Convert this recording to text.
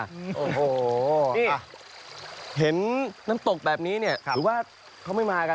นี่เห็นน้ำตกแบบนี้หรือว่าเขาไม่มากัน